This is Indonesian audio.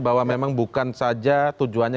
bahwa memang bukan saja tujuannya